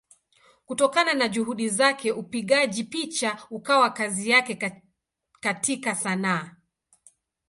Kutokana na Juhudi zake upigaji picha ukawa kazi yake katika Sanaa.